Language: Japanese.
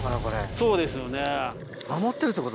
そうですよね。